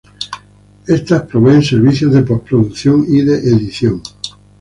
Estas proveen servicios de postproducción y de edición.